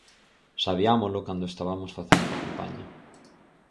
Sabiámolo cando estabamos facendo a campaña.